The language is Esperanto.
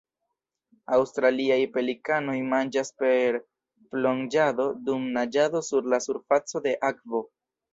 Aŭstraliaj pelikanoj manĝas per plonĝado dum naĝado sur la surfaco de akvo.